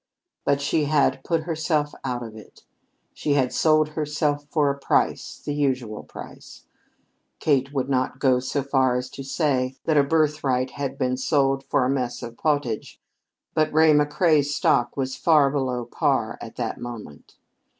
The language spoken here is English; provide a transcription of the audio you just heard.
But she had put herself out of it. She had sold herself for a price the usual price. Kate would not go so far as to say that a birthright had been sold for a mess of pottage, but Ray McCrea's stock was far below par at that moment.